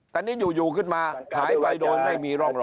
แต่นี่อยู่ขึ้นมาหายไปโดยไม่มีร่องรอย